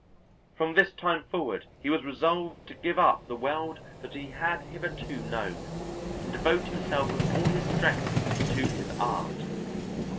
From this time forward he was resolved to give up the world that he had hitherto known, and devote himself with all his strength to his art.